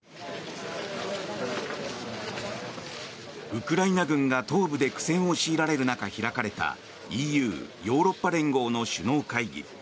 ウクライナ軍が東部で苦戦を強いられる中、開かれたＥＵ・ヨーロッパ連合の首脳会議。